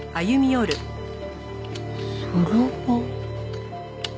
そろばん。